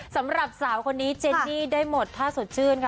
สำหรับสาวคนนี้เจนนี่ได้หมดท่าสดชื่นค่ะ